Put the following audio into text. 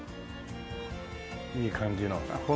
いい感じの。